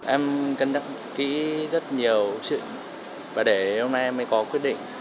em cần đăng ký rất nhiều sự và để hôm nay em mới có quyết định